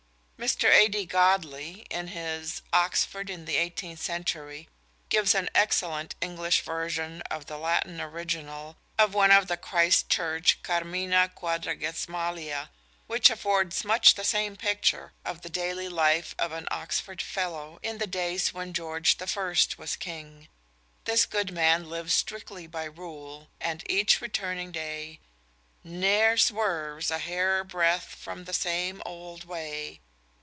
Mr. A.D. Godley, in his "Oxford in the Eighteenth Century," gives an excellent English version of the Latin original of one of the Christ Church "Carmina Quadragesmalia," which affords much the same picture of the daily life of an Oxford Fellow in the days when George I was king. This good man lives strictly by rule, and each returning day _Ne'er swerves a hairbreadth from the same old way.